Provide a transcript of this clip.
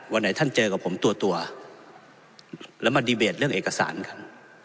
วันไหนท่านเจอกับผมตัวแล้วมาดีเบตเรื่องเอกสารกัน